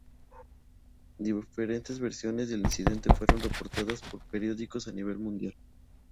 Diferentes versiones del incidente fueron reportadas por periódicos a nivel mundial.